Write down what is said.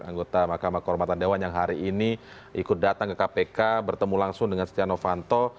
anggota mkd yang hari ini ikut datang ke kpk bertemu langsung dengan setia novanto